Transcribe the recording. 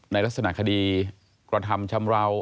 ในลักษณะคดีกระทำชำราว